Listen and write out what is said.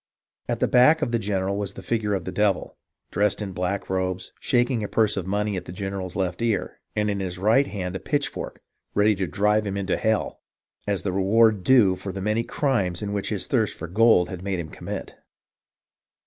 "At the back of the general was a figure of the Devil, dressed in black robes, shaking a purse of money at the general's left ear, and in his right hand a pitchfork, ready to drive him into hell, as the reward due for the many crimes which his thirst for gold had made him commit.